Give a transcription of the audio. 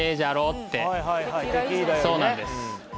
ってそうなんです